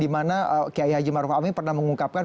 di mana kiai haji maruf amin pernah mengungkapkan